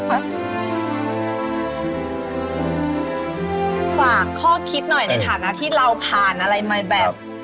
ฝากข้อคิดหน่อยในฐานะที่เราผ่านอะไรมาแบบ